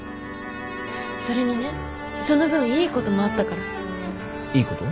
それにねその分いいこともあったから。いいこと？